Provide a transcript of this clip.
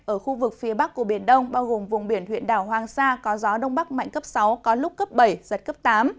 ở khu vực phía bắc của biển đông bao gồm vùng biển huyện đảo hoàng sa có gió đông bắc mạnh cấp sáu có lúc cấp bảy giật cấp tám